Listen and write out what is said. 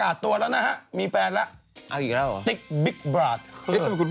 เอ๊ะทำไมคุณพูดว่าเอาอีกแล้วเหรอ